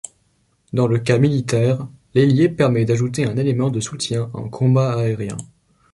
Dans le cas militaire, l'ailier permet d'ajouter un élément de soutien en combat aérien.